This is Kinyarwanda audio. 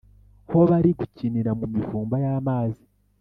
bo bari gukinira mu mivumba y’amazi